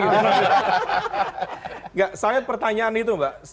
enggak saya pertanyaan itu mbak